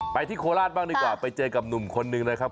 ที่โคราชบ้างดีกว่าไปเจอกับหนุ่มคนนึงนะครับ